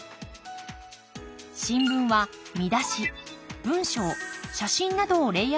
新聞は見出し文章写真などをレイアウトして作ります。